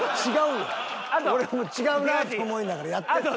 俺も違うなと思いながらやってるのよ。